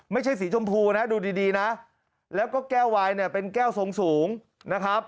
ไม่ใช่สีชมพูนะดูดีนะแล้วก็แก้ววายเนี่ยเป็นแก้วทรงสูงนะครับ